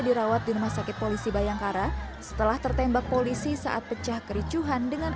dirawat di rumah sakit polisi bayangkara setelah tertembak polisi saat pecah kericuhan dengan